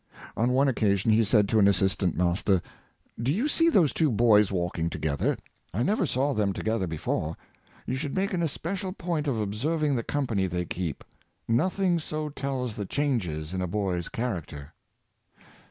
On one occasion, he said to an assistant master: "Do you see those two boys walking together? I never saw them together before. You should make an especial point of observing the company they keep: nothing so tells the changes in a boy's character." Dr.